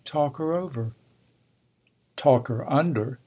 Talk her over." "Talk her under!"